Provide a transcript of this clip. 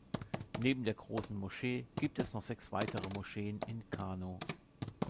Neben der großen Moschee gibt es noch sechs weitere Moscheen in Kano.